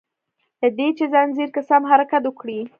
له دي چي ځنځير کی سم حرکت وکړي